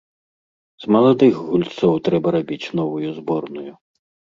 З маладых гульцоў трэба рабіць новую зборную.